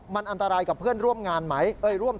มันอันตรายกับเพื่อนร่วมงานไหม